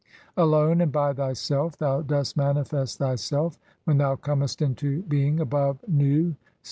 Alone and by thyself thou "dost manifest thyself [when] thou comest into being above Nu "